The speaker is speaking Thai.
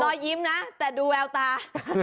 รอยยิ้มนะแต่ดูแววตา